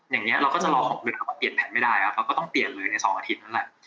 อย่างนี้เราก็จะรอ๖ดึกเขาก็เปลี่ยนแผนไม่ได้ครับเราก็ต้องเปลี่ยนเลยใน๒อาทิตย์นั่นแหละ